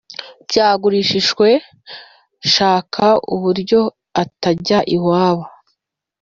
byagurishishwe shaka uburyo atajya iwabo